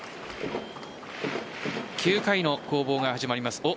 ９回の攻防が始まります。